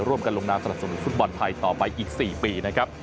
ลงกันลงนามสนับสนุนฟุตบอลไทยต่อไปอีก๔ปีนะครับ